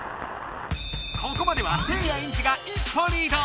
ここまではせいやエンジが一歩リード！